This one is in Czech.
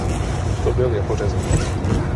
Působil jako řezník.